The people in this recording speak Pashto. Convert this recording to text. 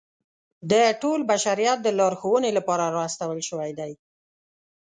د ټول بشریت د لارښودنې لپاره را استول شوی دی.